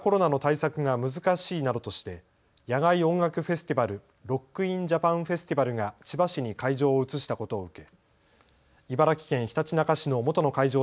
新型コロナの対策が難しいなどとして野外音楽フェスティバル、ロック・イン・ジャパン・フェスティバルが千葉市に会場を移したことを受け